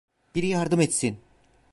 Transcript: Biri yardım etsin!